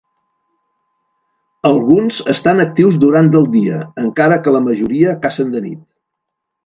Alguns estan actius durant del dia, encara que la majoria cacen de nit.